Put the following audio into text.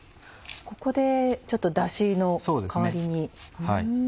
ここでちょっとだしの代わりに。